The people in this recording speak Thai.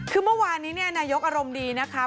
คือเมื่อวานนี้นายกอารมณ์ดีนะคะ